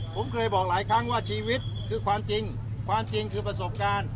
ผมเคยบอกหลายครั้งว่าชีวิตคือความจริงความจริงคือประสบการณ์